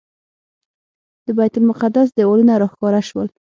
د بیت المقدس دیوالونه راښکاره شول.